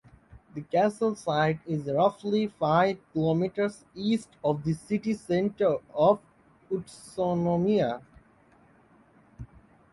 The castle site is roughly five kilometers east of the city center of Utsunomiya.